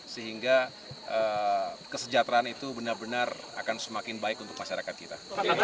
sehingga kesejahteraan itu benar benar akan semakin baik untuk masyarakat kita